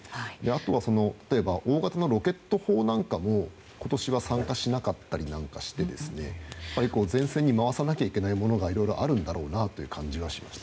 あとは、例えば大型のロケット砲なんかも今年は参加しなかったりして前線に回さなきゃいけないものがいろいろあるんだろうなという感じはします。